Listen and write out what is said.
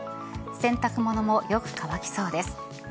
洗濯物もよく乾きそうです。